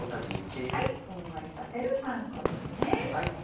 ふんわりさせるパン粉です。